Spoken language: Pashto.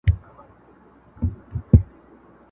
آب حیات د بختورو نصیب سینه!